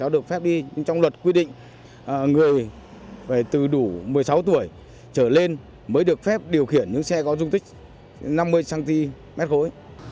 được phép đi trong luật quy định người từ đủ một mươi sáu tuổi trở lên mới được phép điều khiển những xe có dung tích năm mươi cm khối